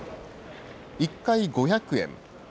１回５００円。